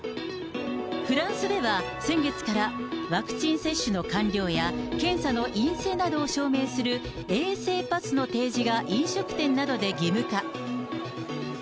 フランスでは先月から、ワクチン接種の完了や検査の陰性などを証明する衛生パスの提示が飲食店などで義務化。